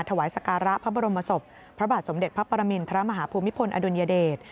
ถวายสการะพระบรมศพพระบาทสมเด็จพระปรมินทรมาฮภูมิพลอดุลยเดช